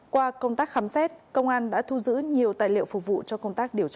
qua công tác khám xét công an đã thu giữ nhiều tài liệu phục vụ cho công tác điều tra